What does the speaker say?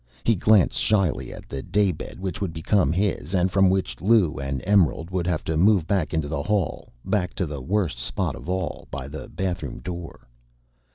He glanced shyly at the daybed, which would become his, and from which Lou and Emerald would have to move back into the hall, back to the worst spot of all by the bathroom door.